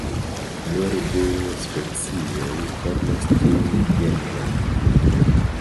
Nur du specioj formas tiun genron.